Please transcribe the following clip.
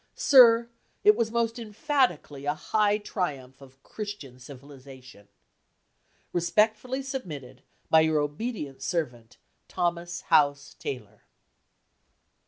Sir, it was most emphatically a high triumph of "Christian civilization"! Respectfully submitted, by your obedient servant, THOMAS HOUSE TAYLOR.